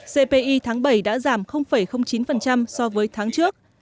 cpi tháng bảy đã giảm chín so với tháng trước